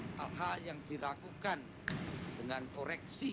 hak hak yang dirakukan dengan koreksi